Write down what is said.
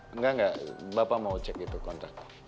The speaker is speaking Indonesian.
enggak enggak bapak mau cek itu kontrak